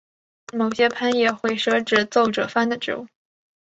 某些藩也会设置奏者番的职务。